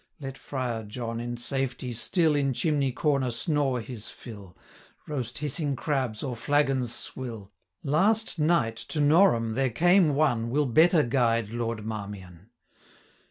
Let Friar John, in safety, still In chimney corner snore his fill, Roast hissing crabs, or flagons swill: Last night, to Norham there came one, 385 Will better guide Lord Marmion.'